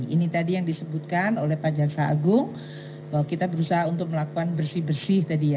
ini tadi yang disebutkan oleh pak jaksa agung bahwa kita berusaha untuk melakukan bersih bersih tadi ya